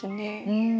うん。